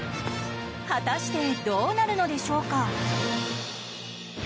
果たしてどうなるのでしょうか？